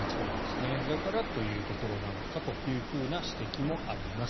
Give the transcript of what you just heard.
だからというところなのかという指摘もあります。